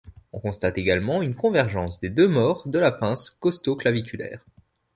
On constate également une convergence des deux mors de la pince costoclaviculaire.